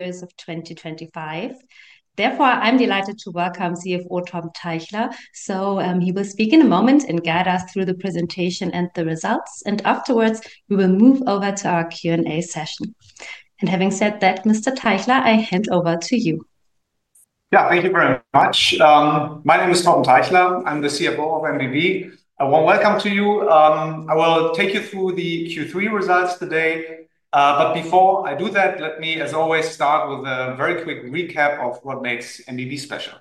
Of 2025. Therefore, I'm delighted to welcome CFO Tom Teichler. He will speak in a moment and guide us through the presentation and the results. Afterwards, we will move over to our Q&A session. Having said that, Mr. Teichler, I hand over to you. Yeah, thank you very much. My name is Tom Teichler. I'm the CFO of MBB. A warm welcome to you. I will take you through the Q3 results today. Before I do that, let me, as always, start with a very quick recap of what makes MBB special.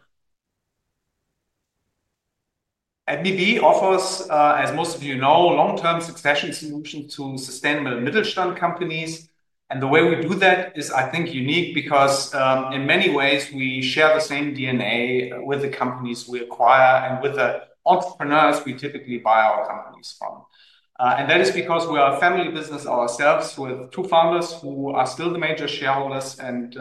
MBB offers, as most of you know, long-term succession solutions to sustainable Mittelstand companies. The way we do that is, I think, unique because in many ways, we share the same DNA with the companies we acquire and with the entrepreneurs we typically buy our companies from. That is because we are a family business ourselves with two founders who are still the major shareholders and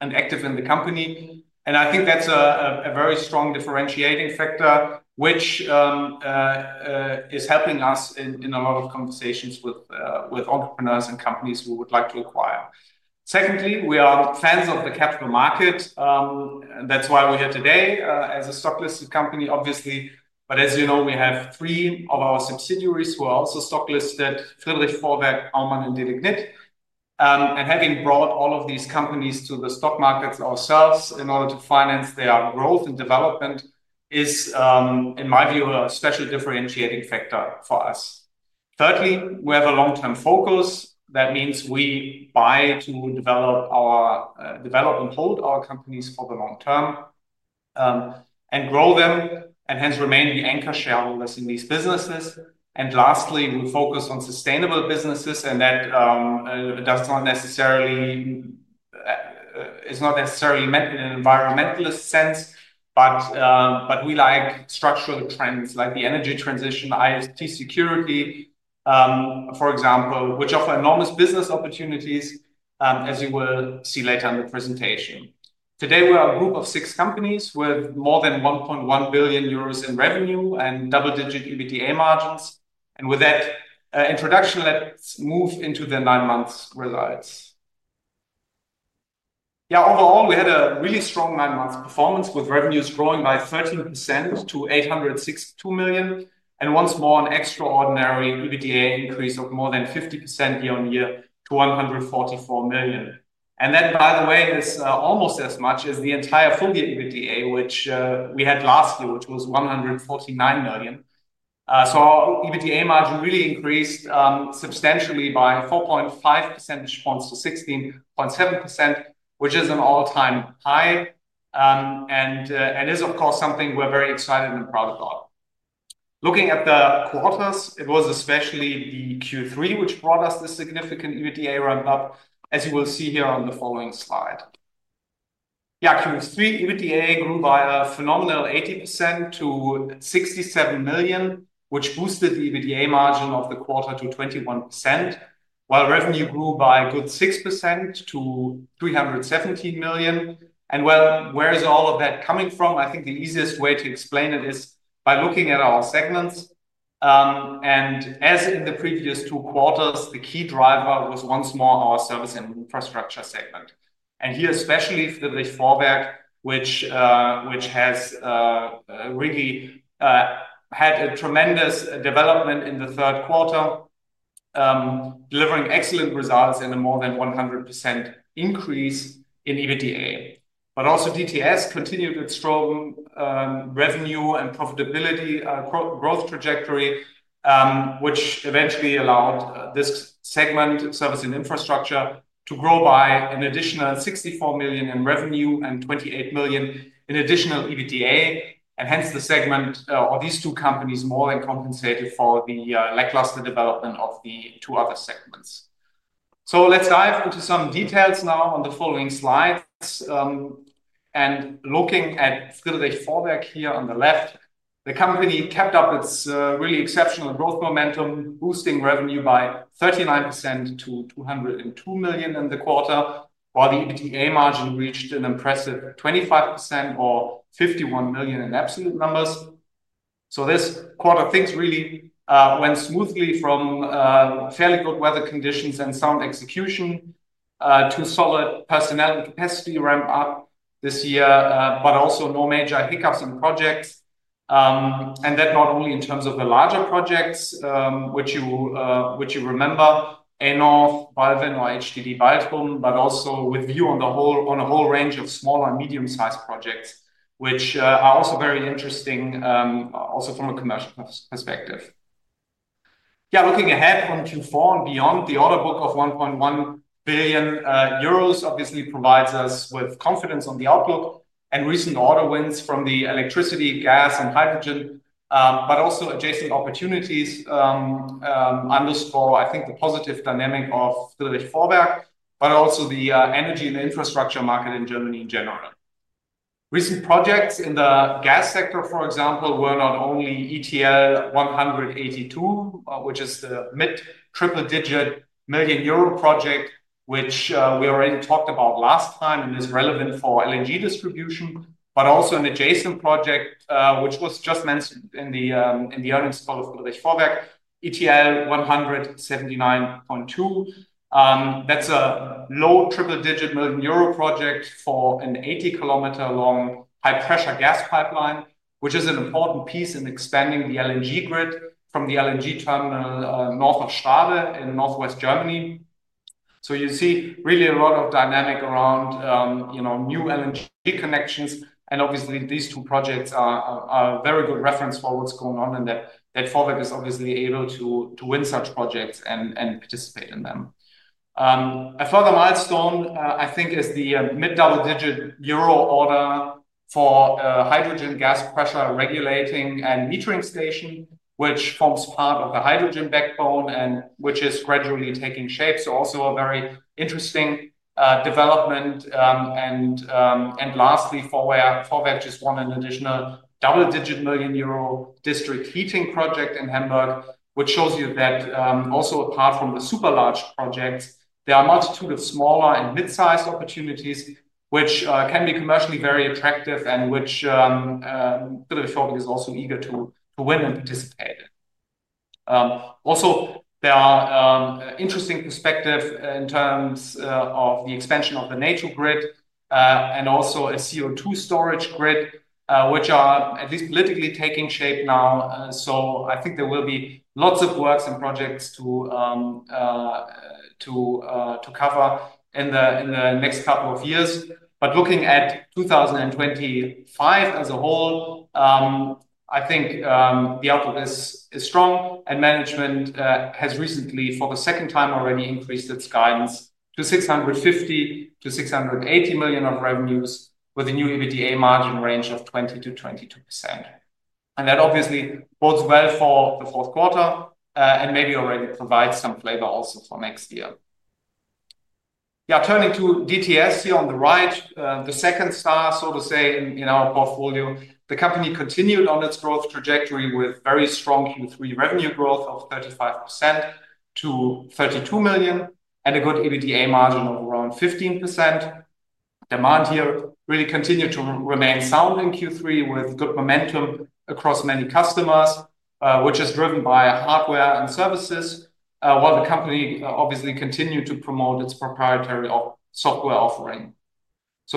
active in the company. I think that's a very strong differentiating factor, which is helping us in a lot of conversations with entrepreneurs and companies we would like to acquire. Secondly, we are fans of the capital market. That is why we are here today as a stock-listed company, obviously. As you know, we have three of our subsidiaries who are also stock-listed: Friedrich Vorwerk, Aumann, and Delignit. Having brought all of these companies to the stock markets ourselves in order to finance their growth and development is, in my view, a special differentiating factor for us. Thirdly, we have a long-term focus. That means we buy to develop and hold our companies for the long term and grow them and hence remain the anchor shareholders in these businesses. Lastly, we focus on sustainable businesses. That does not necessarily is not necessarily meant in an environmentalist sense, but we like structural trends like the energy transition, IT security, for example, which offer enormous business opportunities, as you will see later in the presentation. Today, we are a group of six companies with more than 1.1 billion euros in revenue and double-digit EBITDA margins. With that introduction, let's move into the nine-month results. Yeah, overall, we had a really strong nine-month performance with revenues growing by 13% to 862 million. Once more, an extraordinary EBITDA increase of more than 50% year-on-year to 144 million. That, by the way, is almost as much as the entire full-year EBITDA, which we had last year, which was 149 million. Our EBITDA margin really increased substantially by 4.5 percentage points to 16.7%, which is an all-time high and is, of course, something we're very excited and proud about. Looking at the quarters, it was especially the Q3, which brought us this significant EBITDA ramp-up, as you will see here on the following slide. Yeah, Q3 EBITDA grew by a phenomenal 80% to 67 million, which boosted the EBITDA margin of the quarter to 21%, while revenue grew by a good 6% to 317 million. Where is all of that coming from? I think the easiest way to explain it is by looking at our segments. As in the previous two quarters, the key driver was once more our service and infrastructure segment. Here, especially Friedrich Vorwerk, which has really had a tremendous development in the third quarter, delivering excellent results and a more than 100% increase in EBITDA. Also, DTS continued its strong revenue and profitability growth trajectory, which eventually allowed this segment, service and infrastructure, to grow by an additional 64 million in revenue and 28 million in additional EBITDA. Hence, the segment or these two companies more than compensated for the lackluster development of the two other segments. Let's dive into some details now on the following slides. Looking at Friedrich Vorwerk here on the left, the company kept up its really exceptional growth momentum, boosting revenue by 39% to 202 million in the quarter, while the EBITDA margin reached an impressive 25% or 51 million in absolute numbers. This quarter, things really went smoothly from fairly good weather conditions and sound execution to solid personnel and capacity ramp-up this year, but also no major hiccups in projects. That not only in terms of the larger projects, which you remember, ANOTH, Balvin, or HDD Baltrum, but also with view on a whole range of small and medium-sized projects, which are also very interesting also from a commercial perspective. Yeah, looking ahead on Q4 and beyond, the order book of 1.1 billion euros obviously provides us with confidence on the outlook and recent order wins from the electricity, gas, and hydrogen, but also adjacent opportunities underscore, I think, the positive dynamic of Friedrich Vorwerk, but also the energy and infrastructure market in Germany in general. Recent projects in the gas sector, for example, were not only ETL 182, which is the mid-triple-digit million euro project, which we already talked about last time and is relevant for LNG distribution, but also an adjacent project, which was just mentioned in the earnings call of Friedrich Vorwerk, ETL 179.2. That's a low triple-digit million euro project for an 80 km long high-pressure gas pipeline, which is an important piece in expanding the LNG grid from the LNG terminal north of Stade in northwest Germany. You see really a lot of dynamic around new LNG connections. Obviously, these two projects are a very good reference for what is going on and that Vorwerk is obviously able to win such projects and participate in them. A further milestone, I think, is the mid-double-digit euro order for hydrogen gas pressure regulating and metering station, which forms part of the hydrogen backbone and which is gradually taking shape. Also a very interesting development. Lastly, Vorwerk just won an additional double-digit million euro district heating project in Hamburg, which shows you that also apart from the super large projects, there are a multitude of smaller and mid-sized opportunities, which can be commercially very attractive and which Friedrich Vorwerk is also eager to win and participate in. Also, there are interesting perspectives in terms of the expansion of the NATO grid and also a CO2 storage grid, which are at least politically taking shape now. I think there will be lots of works and projects to cover in the next couple of years. Looking at 2025 as a whole, I think the outlook is strong and management has recently, for the second time already, increased its guidance to 650 million-680 million of revenues with a new EBITDA margin range of 20%-22%. That obviously bodes well for the fourth quarter and maybe already provides some flavor also for next year. Yeah, turning to DTS here on the right, the second star, so to say, in our portfolio, the company continued on its growth trajectory with very strong Q3 revenue growth of 35% to 32 million and a good EBITDA margin of around 15%. Demand here really continued to remain sound in Q3 with good momentum across many customers, which is driven by hardware and services, while the company obviously continued to promote its proprietary software offering.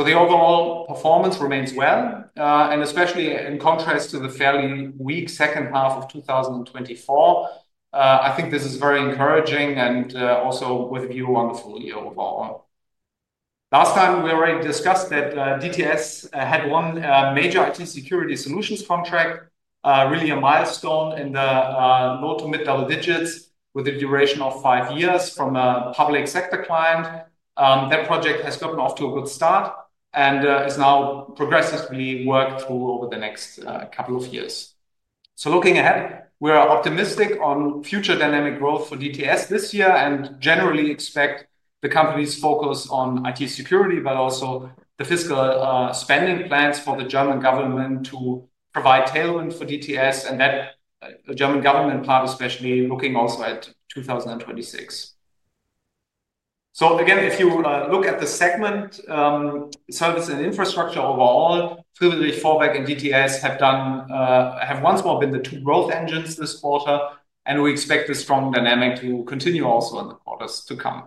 The overall performance remains well, and especially in contrast to the fairly weak second half of 2024, I think this is very encouraging and also with a view on the full year overall. Last time, we already discussed that DTS had won a major IT security solutions contract, really a milestone in the low to mid-double digits with a duration of five years from a public sector client. That project has gotten off to a good start and is now progressively worked through over the next couple of years. Looking ahead, we are optimistic on future dynamic growth for DTS this year and generally expect the company's focus on IT security, but also the fiscal spending plans for the German government to provide tailwind for DTS and that German government part, especially looking also at 2026. If you look at the segment, service and infrastructure overall, Friedrich Vorwerk and DTS have once more been the two growth engines this quarter, and we expect this strong dynamic to continue also in the quarters to come.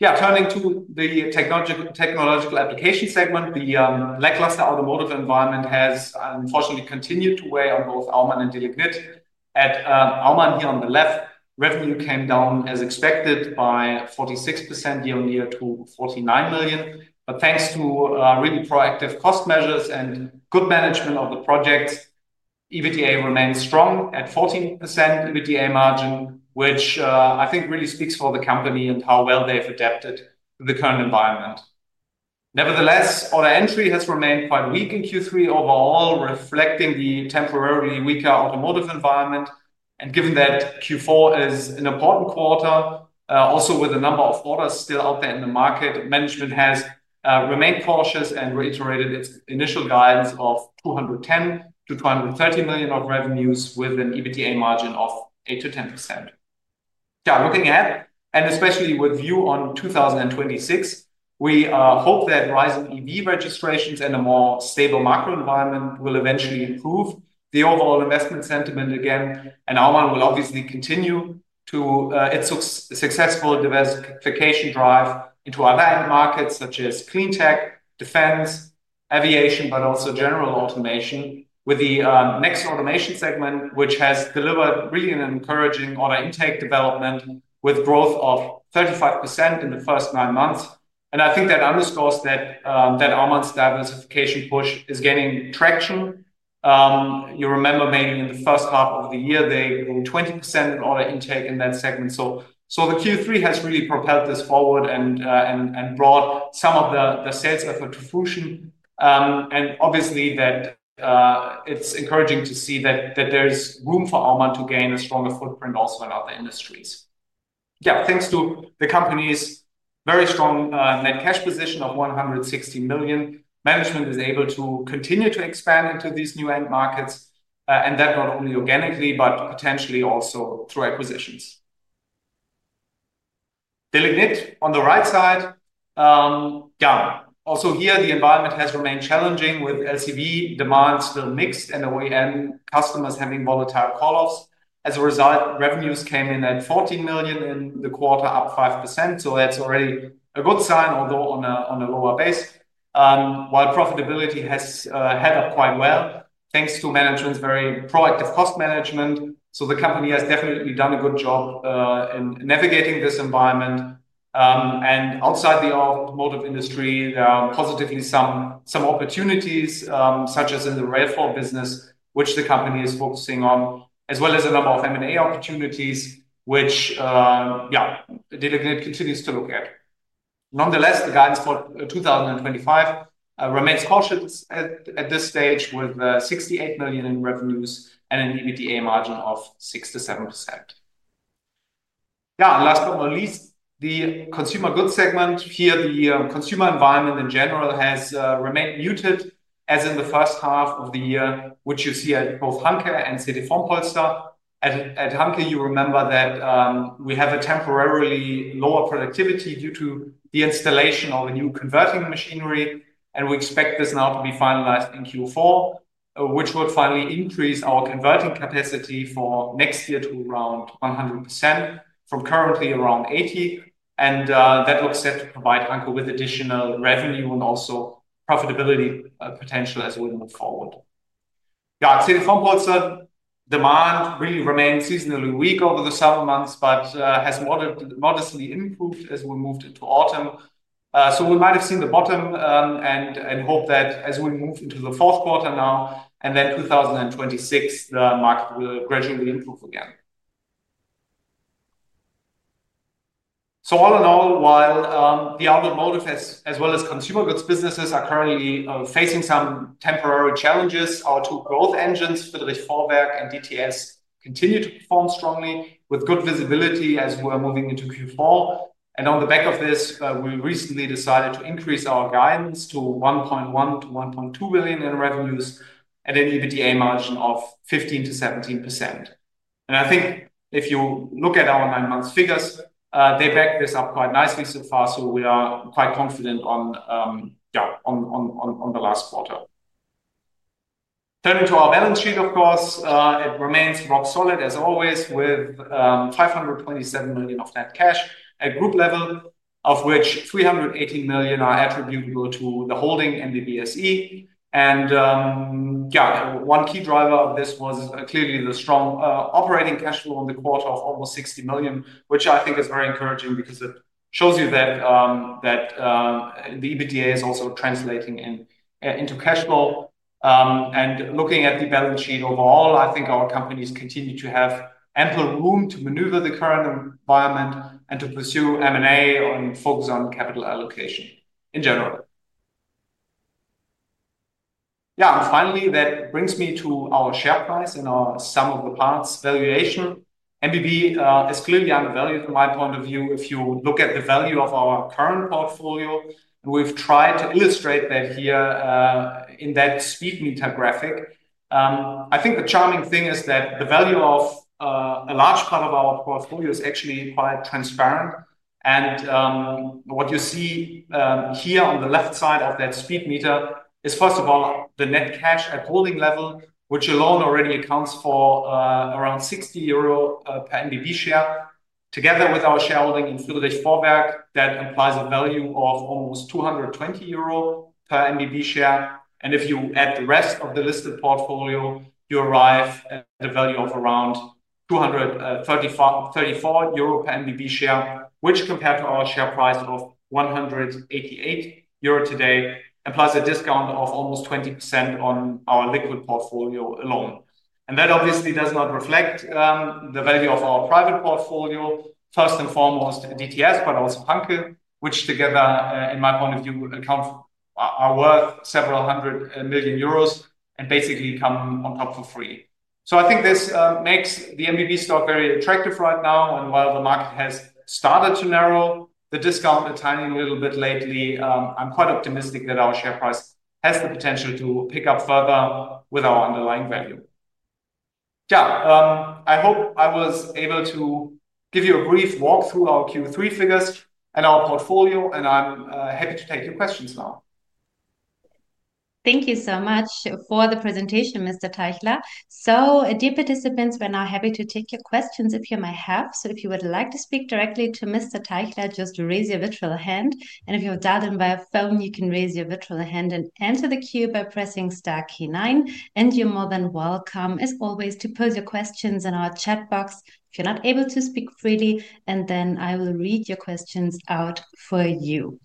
Yeah, turning to the technological application segment, the lackluster automotive environment has unfortunately continued to weigh on both Aumann and Delignit. At Aumann here on the left, revenue came down as expected by 46% year on year to 49 million. Thanks to really proactive cost measures and good management of the projects, EBITDA remains strong at a 14% EBITDA margin, which I think really speaks for the company and how well they've adapted to the current environment. Nevertheless, order entry has remained quite weak in Q3 overall, reflecting the temporarily weaker automotive environment. Given that Q4 is an important quarter, also with a number of orders still out there in the market, management has remained cautious and reiterated its initial guidance of 210 million-230 million of revenues with an EBITDA margin of 8%-10%. Yeah, looking ahead, and especially with view on 2026, we hope that rising EV registrations and a more stable macro environment will eventually improve the overall investment sentiment again. Aumann will obviously continue its successful diversification drive into other end markets such as clean tech, defense, aviation, but also general automation with the next automation segment, which has delivered really an encouraging order intake development with growth of 35% in the first nine months. I think that underscores that Aumann's diversification push is gaining traction. You remember maybe in the first half of the year, they gained 20% in order intake in that segment. Q3 has really propelled this forward and brought some of the sales effort to fruition. It is encouraging to see that there is room for Aumann to gain a stronger footprint also in other industries. Thanks to the company's very strong net cash position of 160 million, management is able to continue to expand into these new end markets, and that not only organically, but potentially also through acquisitions. Delignit on the right side. Yeah, also here, the environment has remained challenging with LCV demands still mixed and OEM customers having volatile call-offs. As a result, revenues came in at 14 million in the quarter, up 5%. That's already a good sign, although on a lower base, while profitability has held up quite well thanks to management's very proactive cost management. The company has definitely done a good job in navigating this environment. Outside the automotive industry, there are positively some opportunities, such as in the railfare business, which the company is focusing on, as well as a number of M&A opportunities, which Delignit continues to look at. Nonetheless, the guidance for 2025 remains cautious at this stage with 68 million in revenues and an EBITDA margin of 6%-7%. Yeah, and last but not least, the consumer goods segment here, the consumer environment in general has remained muted as in the first half of the year, which you see at both Hanke and CT Formpolster. At Hanke, you remember that we have a temporarily lower productivity due to the installation of a new converting machinery. We expect this now to be finalized in Q4, which will finally increase our converting capacity for next year to around 100% from currently around 80%. That looks set to provide Hanke with additional revenue and also profitability potential as we move forward. Yeah, at CT Formpolster, demand really remained seasonally weak over the summer months, but has modestly improved as we moved into autumn. We might have seen the bottom and hope that as we move into the fourth quarter now and then 2026, the market will gradually improve again. All in all, while the automotive as well as consumer goods businesses are currently facing some temporary challenges, our two growth engines, Friedrich Vorwerk and DTS, continue to perform strongly with good visibility as we're moving into Q4. On the back of this, we recently decided to increase our guidance to 1.1 million-1.2 million in revenues and an EBITDA margin of 15%-17%. I think if you look at our nine-month figures, they back this up quite nicely so far. We are quite confident on, yeah, on the last quarter. Turning to our balance sheet, of course, it remains rock solid as always with 527 million of net cash at group level, of which 380 million are attributable to the holding and the MBB SE. Yeah, one key driver of this was clearly the strong operating cash flow in the quarter of almost 60 million, which I think is very encouraging because it shows you that the EBITDA is also translating into cash flow. Looking at the balance sheet overall, I think our companies continue to have ample room to maneuver the current environment and to pursue M&A and focus on capital allocation in general. Finally, that brings me to our share price and our sum of the parts valuation. MBB is clearly undervalued from my point of view if you look at the value of our current portfolio. We have tried to illustrate that here in that speed meter graphic. I think the charming thing is that the value of a large part of our portfolio is actually quite transparent. What you see here on the left side of that speed meter is, first of all, the net cash at holding level, which alone already accounts for around 60 euro per MBB share. Together with our shareholding in Friedrich Vorwerk, that implies a value of almost 220 euro per MBB share. If you add the rest of the listed portfolio, you arrive at a value of around 234 euro per MBB share, which compared to our share price of 188 euro today implies a discount of almost 20% on our liquid portfolio alone. That obviously does not reflect the value of our private portfolio, first and foremost DTS, but also Hanke, which together, in my point of view, are worth several hundred million euros and basically come on top for free. I think this makes the MBB stock very attractive right now. While the market has started to narrow, the discount is tiny a little bit lately. I'm quite optimistic that our share price has the potential to pick up further with our underlying value. I hope I was able to give you a brief walk through our Q3 figures and our portfolio, and I'm happy to take your questions now. Thank you so much for the presentation, Mr. Teichler. Dear participants, we're now happy to take your questions if you might have. If you would like to speak directly to Mr. Teichler, just raise your virtual hand. If you're dialed in via phone, you can raise your virtual hand and enter the queue by pressing the star key nine. You're more than welcome, as always, to pose your questions in our chat box If you're not able to speak freely, then I will read your questions out for you.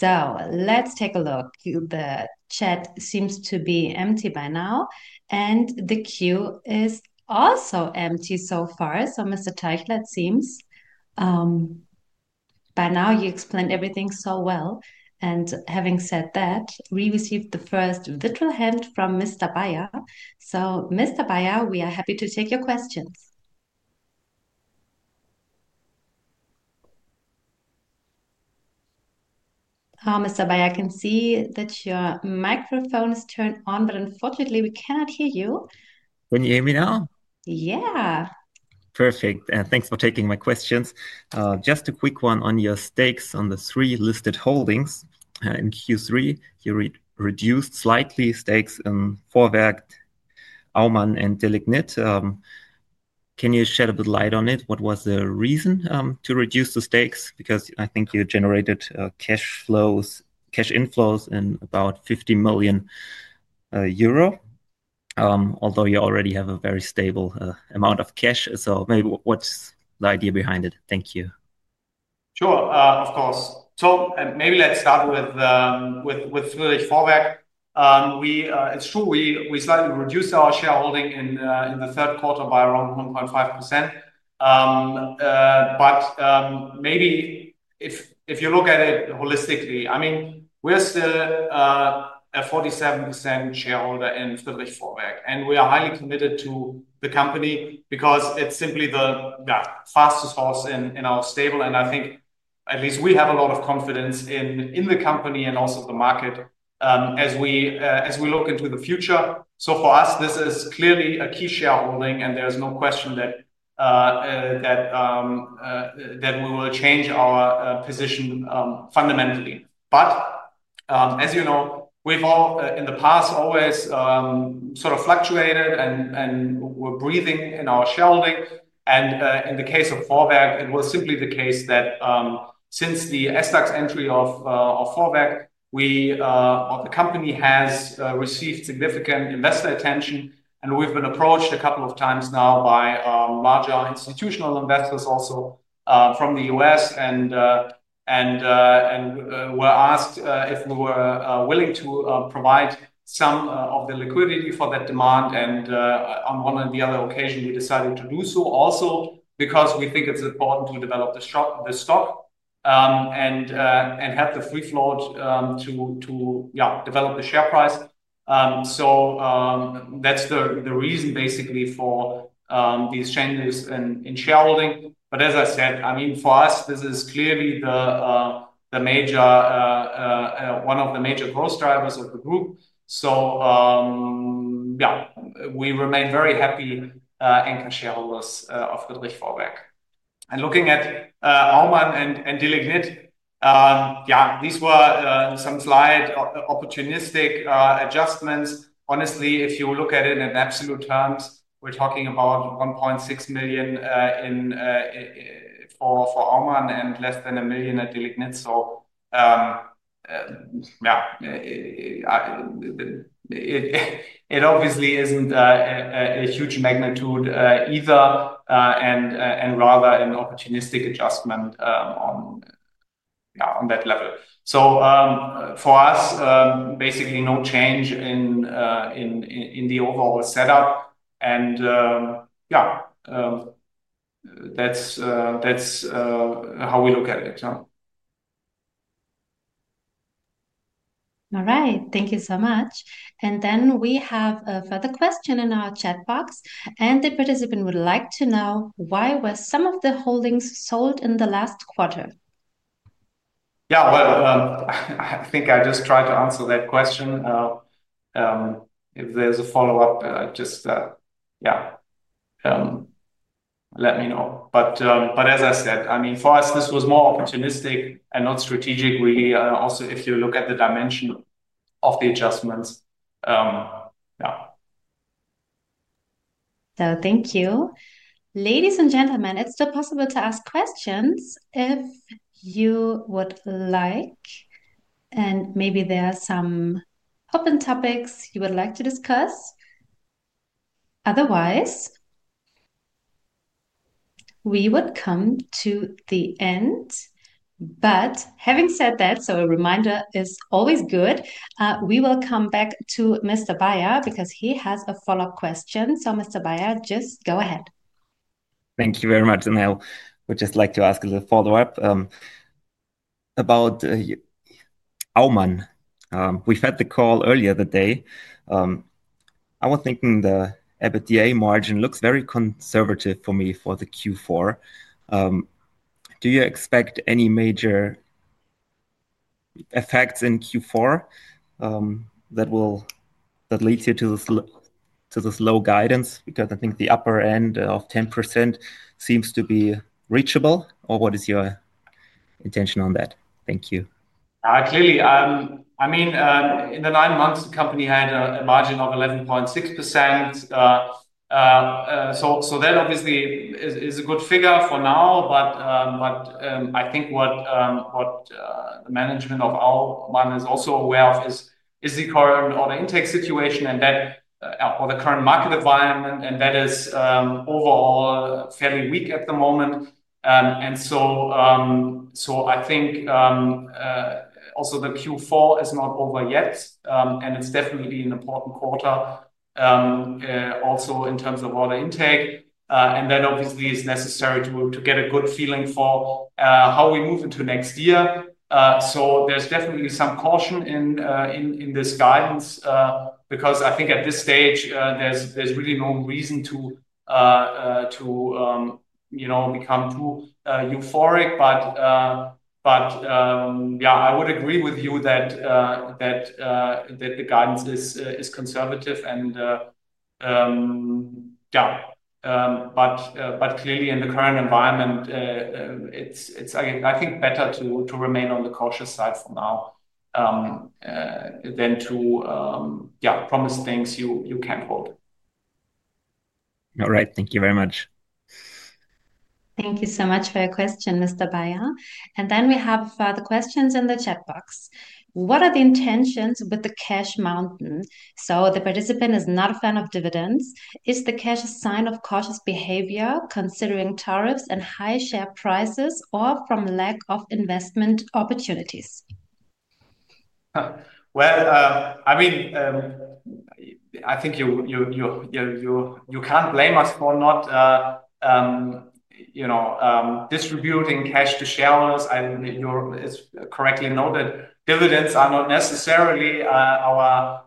Let's take a look. The chat seems to be empty by now, and the queue is also empty so far. Mr. Teichler, it seems by now you explained everything so well. Having said that, we received the first virtual hand from Mr. Bayer. Mr. Bayer, we are happy to take your questions. Mr. Bayer, I can see that your microphone is turned on, but unfortunately, we cannot hear you. Can you hear me now? Yeah. Perfect. Thanks for taking my questions. Just a quick one on your stakes on the three listed holdings in Q3. You reduced slightly stakes in Vorwerk, Aumann, and Delignit. Can you shed a bit of light on it? What was the reason to reduce the stakes? Because I think you generated cash inflows in about 50 million euro, although you already have a very stable amount of cash. Maybe what's the idea behind it? Thank you. Sure, of course. Maybe let's start with Friedrich Vorwerk. It's true we slightly reduced our shareholding in the third quarter by around 1.5%. Maybe if you look at it holistically, I mean, we're still a 47% shareholder in Friedrich Vorwerk, and we are highly committed to the company because it's simply the fastest horse in our stable. I think at least we have a lot of confidence in the company and also the market as we look into the future. For us, this is clearly a key shareholding, and there's no question that we will change our position fundamentally. As you know, we've all in the past always sort of fluctuated and were breathing in our shareholding. In the case of Vorwerk, it was simply the case that since the SDAX entry of Vorwerk, the company has received significant investor attention. We've been approached a couple of times now by larger institutional investors also from the U.S. and were asked if we were willing to provide some of the liquidity for that demand. On one or the other occasion, we decided to do so also because we think it's important to develop the stock and have the free float to develop the share price. That's the reason basically for these changes in shareholding. As I said, I mean, for us, this is clearly one of the major growth drivers of the group. Yeah, we remain very happy anchor shareholders of Friedrich Vorwerk. Looking at Aumann and Delignit. Yeah, these were some slight opportunistic adjustments. Honestly, if you look at it in absolute terms, we're talking about 1.6 million for Aumann and less than 1 million at Delignit. Yeah, it obviously isn't a huge magnitude either and rather an opportunistic adjustment on that level. For us, basically no change in the overall setup. Yeah, that's how we look at it. All right. Thank you so much. We have a further question in our chat box. The participant would like to know why were some of the holdings sold in the last quarter? I think I just tried to answer that question. If there's a follow-up, just yeah, let me know. As I said, I mean, for us, this was more opportunistic and not strategic. Really, also if you look at the dimension of the adjustments. Yeah. Thank you. Ladies and gentlemen, it is still possible to ask questions if you would like. Maybe there are some open topics you would like to discuss. Otherwise, we would come to the end. Having said that, a reminder is always good. We will come back to Mr. Bayer because he has a follow-up question. Mr. Bayer, just go ahead. Thank you very much. I would just like to ask a little follow-up about Aumann. We have had the call earlier today. I was thinking the EBITDA margin looks very conservative for me for Q4. Do you expect any major effects in Q4 that will lead you to this low guidance? I think the upper end of 10% seems to be reachable. What is your intention on that? Thank you. Clearly, I mean, in the nine months, the company had a margin of 11.6%. That obviously is a good figure for now. I think what the management of Aumann is also aware of is the current order intake situation and the current market environment. That is overall fairly weak at the moment. I think also the Q4 is not over yet. It is definitely an important quarter also in terms of order intake. That obviously is necessary to get a good feeling for how we move into next year. There is definitely some caution in this guidance because I think at this stage, there is really no reason to become too euphoric. Yeah, I would agree with you that the guidance is conservative. Yeah, but clearly in the current environment, I think it's better to remain on the cautious side for now than to, yeah, promise things you can't hold. All right. Thank you very much. Thank you so much for your question, Mr. Bayer. We have further questions in the chat box. What are the intentions with the cash mountain? The participant is not a fan of dividends. Is the cash a sign of cautious behavior considering tariffs and high share prices or from lack of investment opportunities? I mean, I think you can't blame us for not distributing cash to shareholders. It's correctly noted dividends are not necessarily our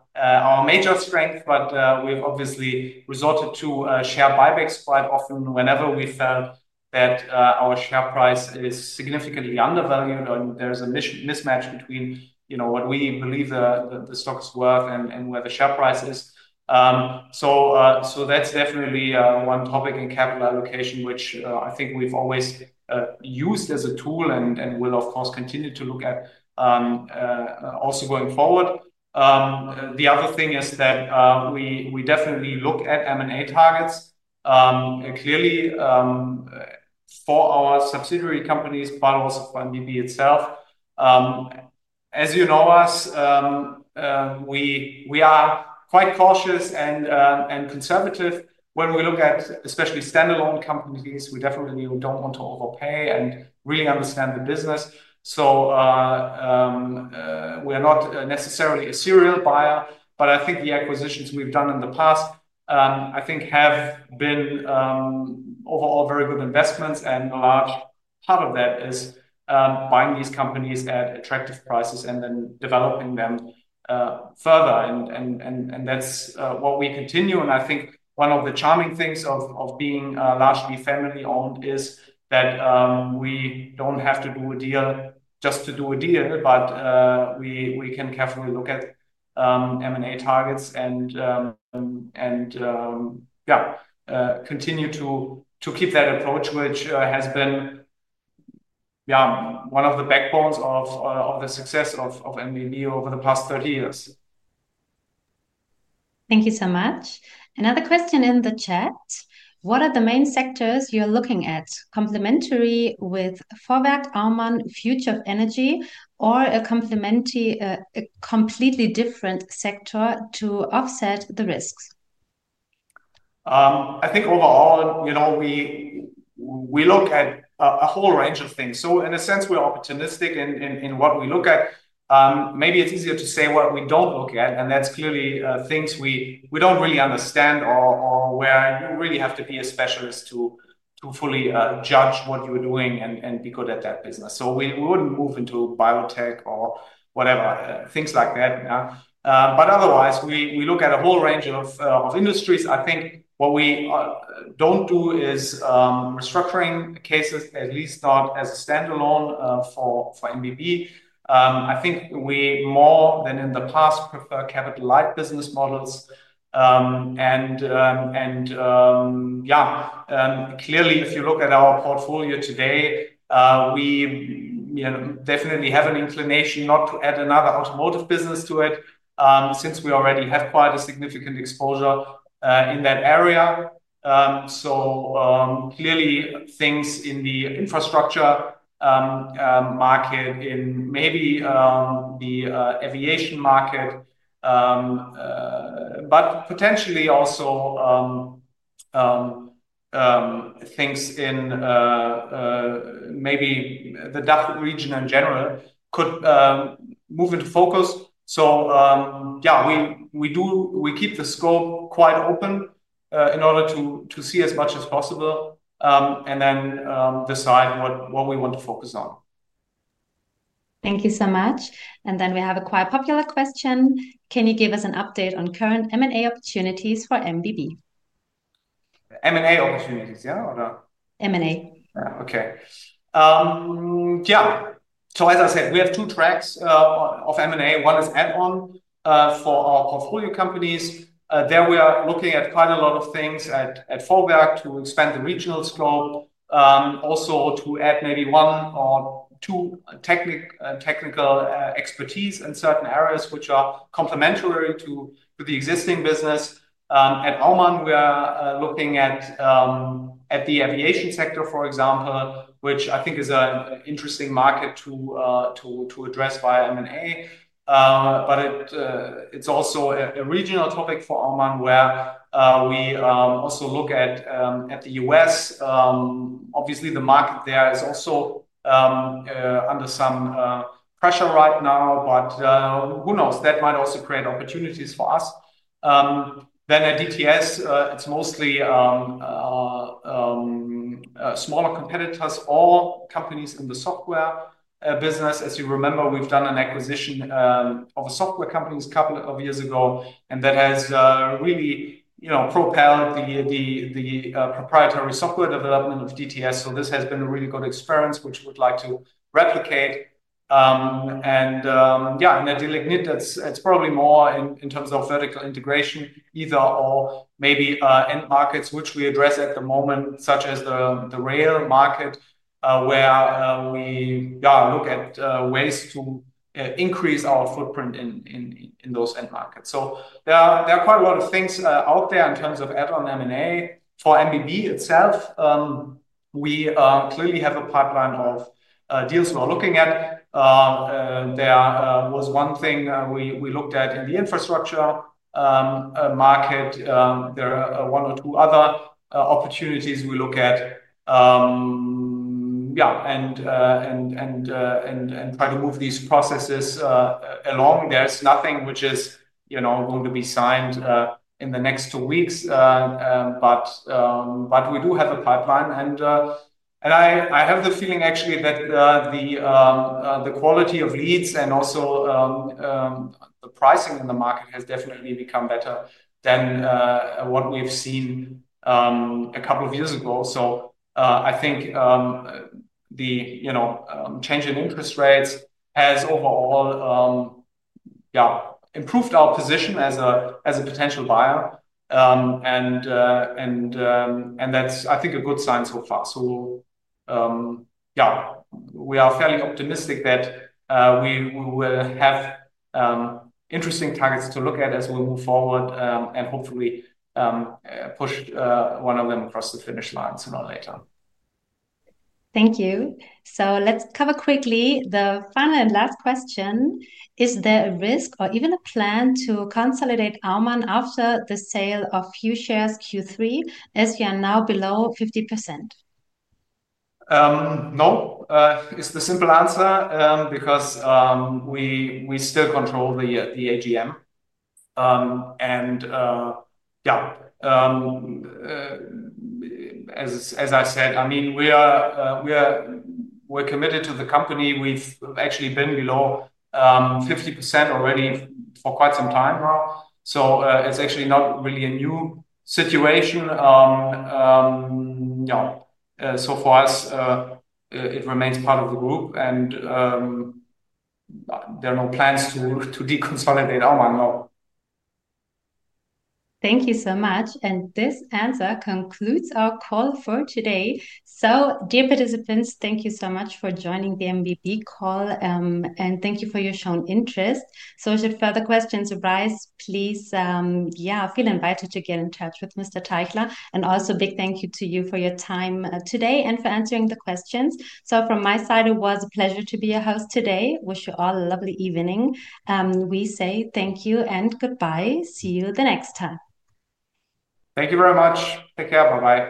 major strength, but we've obviously resorted to share buybacks quite often whenever we felt that our share price is significantly undervalued or there's a mismatch between what we believe the stock is worth and where the share price is. That's definitely one topic in capital allocation, which I think we've always used as a tool and will, of course, continue to look at also going forward. The other thing is that we definitely look at M&A targets. Clearly, for our subsidiary companies, but also for MBB itself. As you know us, we are quite cautious and conservative when we look at especially standalone companies. We definitely don't want to overpay and really understand the business. We are not necessarily a serial buyer, but I think the acquisitions we've done in the past, I think, have been overall very good investments. A large part of that is buying these companies at attractive prices and then developing them further. That is what we continue. I think one of the charming things of being largely family-owned is that we do not have to do a deal just to do a deal, but we can carefully look at M&A targets and, yeah, continue to keep that approach, which has been, yeah, one of the backbones of the success of MBB over the past 30 years. Thank you so much. Another question in the chat. What are the main sectors you are looking at, complementary with Vorwerk, Aumann, Future of Energy, or a completely different sector to offset the risks? I think overall, we look at a whole range of things. In a sense, we are opportunistic in what we look at. Maybe it is easier to say what we do not look at. That is clearly things we do not really understand or where you really have to be a specialist to fully judge what you are doing and be good at that business. We would not move into biotech or whatever, things like that. Otherwise, we look at a whole range of industries. I think what we do not do is restructuring cases, at least not as a standalone for MBB. I think we, more than in the past, prefer capital-light business models. Yeah, clearly, if you look at our portfolio today, we definitely have an inclination not to add another automotive business to it since we already have quite a significant exposure in that area. Clearly, things in the infrastructure market, in maybe the aviation market, but potentially also things in maybe the DAF region in general could move into focus. Yeah, we keep the scope quite open in order to see as much as possible and then decide what we want to focus on. Thank you so much. We have a quite popular question. Can you give us an update on current M&A opportunities for MBB? M&A opportunities, yeah? M&A. Okay. As I said, we have two tracks of M&A. One is add-on for our portfolio companies. There we are looking at quite a lot of things at Vorwerk to expand the regional scope, also to add maybe one or two technical expertise in certain areas which are complementary to the existing business. At Aumann, we are looking at the aviation sector, for example, which I think is an interesting market to address via M&A. It is also a regional topic for Aumann where we also look at the US. Obviously, the market there is also under some pressure right now, but who knows? That might also create opportunities for us. At DTS, it's mostly smaller competitors or companies in the software business. As you remember, we've done an acquisition of a software company a couple of years ago, and that has really propelled the proprietary software development of DTS. This has been a really good experience, which we'd like to replicate. In Delignit, it's probably more in terms of vertical integration, either or maybe end markets, which we address at the moment, such as the rail market, where we look at ways to increase our footprint in those end markets. There are quite a lot of things out there in terms of add-on M&A. For MBB itself, we clearly have a pipeline of deals we're looking at. There was one thing we looked at in the infrastructure market. There are one or two other opportunities we look at. Yeah, and try to move these processes along. There is nothing which is going to be signed in the next two weeks, but we do have a pipeline. I have the feeling, actually, that the quality of leads and also the pricing in the market has definitely become better than what we have seen a couple of years ago. I think the change in interest rates has overall improved our position as a potential buyer. That is, I think, a good sign so far. Yeah, we are fairly optimistic that we will have interesting targets to look at as we move forward and hopefully push one of them across the finish line sooner or later. Thank you. Let's cover quickly the final and last question. Is there a risk or even a plan to consolidate Aumann after the sale of few shares Q3 as we are now below 50%? No. It's the simple answer because we still control the AGM. Yeah, as I said, I mean, we're committed to the company. We've actually been below 50% already for quite some time now. It's actually not really a new situation. For us, it remains part of the group. There are no plans to deconsolidate Aumann, no. Thank you so much. This answer concludes our call for today. Dear participants, thank you so much for joining the MBB call. Thank you for your shown interest. Should further questions arise, please, yeah, feel invited to get in touch with Mr. Teichler. Also, big thank you to you for your time today and for answering the questions. From my side, it was a pleasure to be your host today. Wish you all a lovely evening. We say thank you and goodbye. See you the next time. Thank you very much. Take care. Bye-bye.